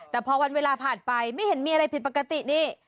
แต่พอวันเวลาผ่านไปไม่เห็นมีอะไรผิดปกตินี่